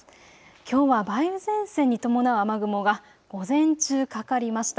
きょうは梅雨前線に伴う雨雲が午前中、かかりました。